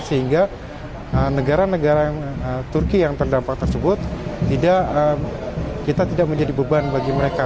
sehingga negara negara turki yang terdampak tersebut kita tidak menjadi beban bagi mereka